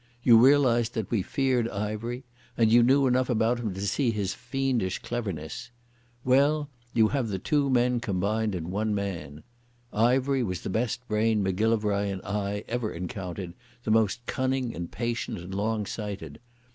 You realised that we feared Ivery, and you knew enough about him to see his fiendish cleverness. Well, you have the two men combined in one man. Ivery was the best brain Macgillivray and I ever encountered, the most cunning and patient and long sighted.